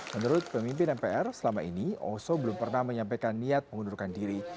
menurut pemimpin mpr selama ini oso belum pernah menyampaikan niat mengundurkan diri